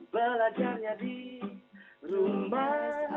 belajarnya di rumah saja